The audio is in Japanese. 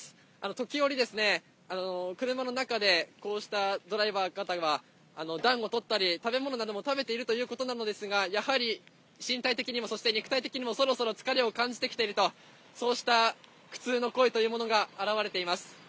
時折、車の中で、こうしたドライバーの方は暖をとったり、食べ物なども食べているということなのですが、やはり身体的にも、そして肉体的にもそろそろ疲れを感じてきていると、そうした苦痛の声というものが表れています。